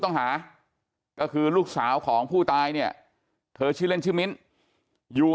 ต้องหาก็คือลูกสาวของผู้ตายเนี่ยเธอชื่อเล่นชื่อมิ้นอยู่